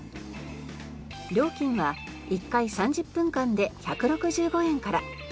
料金は１回３０分間で１６５円から。